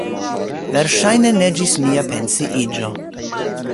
Verŝajne ne ĝis mia pensiiĝo.